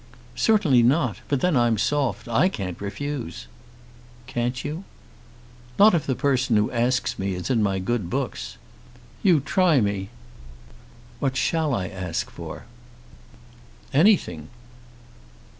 "Certainly not. But then I'm soft. I can't refuse." "Can't you?" "Not if the person who asks me is in my good books. You try me." "What shall I ask for?" "Anything."